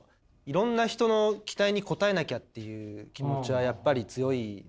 いろんな人の期待に応えなきゃっていう気持ちはやっぱり強いので。